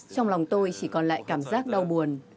trong lòng tôi chỉ còn lại cảm giác đau buồn